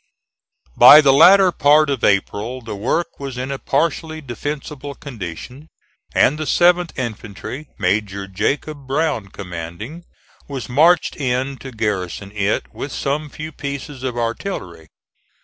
By the latter part of April the work was in a partially defensible condition, and the 7th infantry, Major Jacob Brown commanding, was marched in to garrison it, with some few pieces of artillery.